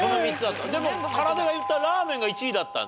でもかなでが言ったラーメンが１位だったんだね。